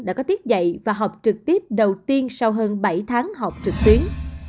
đã có tiết dạy và học trực tiếp đầu tiên sau hơn bảy tháng học trực tuyến